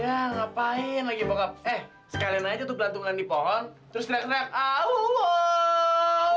yah ngapain lagi bokap eh sekalian aja tuh belantungan di pohon terus reklak reklak